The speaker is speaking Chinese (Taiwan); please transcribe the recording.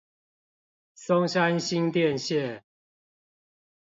松山新店線